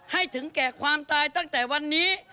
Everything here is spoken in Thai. ให้ถึงแก่ความตายตั้งแต่วันนี้